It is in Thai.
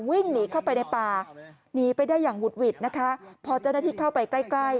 วิ่งหนีเข้าไปในป่าหนีไปได้อย่างหุดหวิดนะคะพอเจ้าหน้าที่เข้าไปใกล้ใกล้